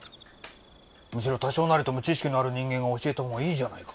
むしろ多少なりとも知識のある人間が教えた方がいいじゃないか。